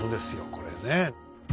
これね。